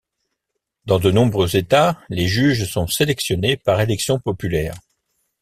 Dans de nombreux États, les juges sont sélectionnés par élection populaire.